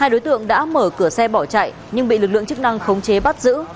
hai đối tượng đã mở cửa xe bỏ chạy nhưng bị lực lượng chức năng khống chế bắt giữ